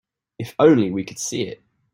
If only we could see it.